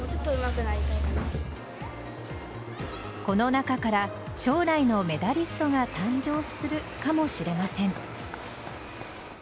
この中から将来のメダリストが誕生するかもしれません。